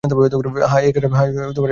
হ্যাঁ, এই কাজটা করলে খুব উপকার হয়।